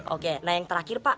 oke nah yang terakhir pak